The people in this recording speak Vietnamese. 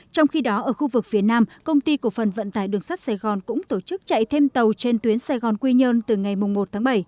trong khi đó ở khu vực phía nam công ty cổ phần vận tải đường sắt sài gòn cũng tổ chức chạy thêm tàu trên tuyến sài gòn quy nhơn từ ngày một tháng bảy